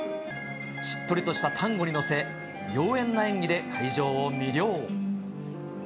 しっとりとしたタンゴに乗せ、妖艶な演技で会場を魅了。